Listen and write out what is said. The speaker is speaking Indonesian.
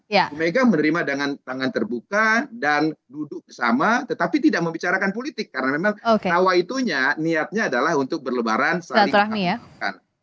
ibu mega menerima dengan tangan terbuka dan duduk sama tetapi tidak membicarakan politik karena memang nawaitunya niatnya adalah untuk berlebaran saling maaf maafkan